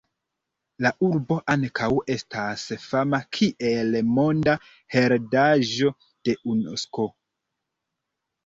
La urbo ankaŭ estas fama kiel Monda heredaĵo de Unesko.